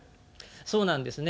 そうなんですね。